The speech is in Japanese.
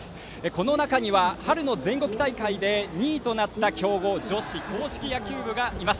この中には、春の全国大会で２位となった強豪女子硬式野球部がいます。